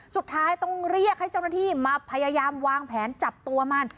สุดท้ายต้องเรียกให้เจ้าหน้าที่มาพยายามวางแผนจับตัวมัน